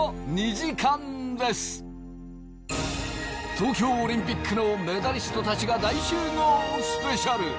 東京オリンピックのメダリストたちが大集合スペシャル。